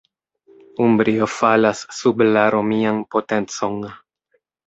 Umbrio falas sub la romian potencon.